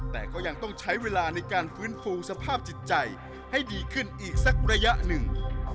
แต่ก็ยังต้องใช้เวลาในการฟื้นฟูสภาพจิตใจให้ดีขึ้นอีกสักระยะหนึ่ง